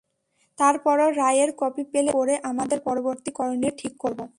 তারপরও রায়ের কপি পেলে সেটা পড়ে আমাদের পরবর্তী করণীয় ঠিক করব।